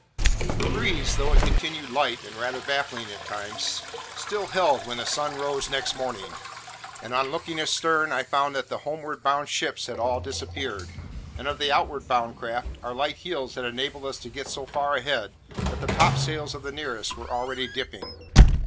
The breeze, though it continued light and rather baffling at times, still held when the sun rose next morning; and on looking astern, I found that the homeward bound ships had all disappeared; and of the outward bound craft, our light heels had enabled us to get so far ahead that the topsails of the nearest were already dipping.